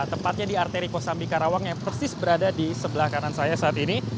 tepatnya di arteri kosambi karawang yang persis berada di sebelah kanan saya saat ini